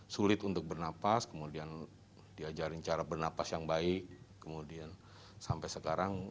sulit untuk bernapas kemudian diajarin cara bernapas yang baik kemudian sampai sekarang